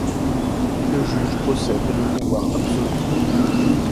Le juge possède le pouvoir absolu.